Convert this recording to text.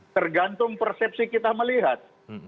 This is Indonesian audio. tergantung persepsi kita melihat